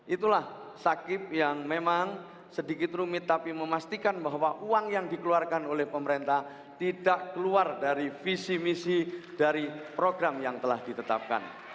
itulah sakit yang memang sedikit rumit tapi memastikan bahwa uang yang dikeluarkan oleh pemerintah tidak keluar dari visi misi dari program yang telah ditetapkan